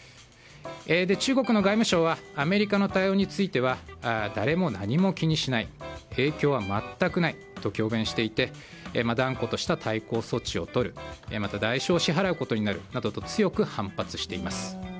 中国の外務省はアメリカの対応については誰も何も気にしない影響は全くないと強弁していて断固とした対抗措置をとるまた代償を支払うことになるなどと強く反発しています。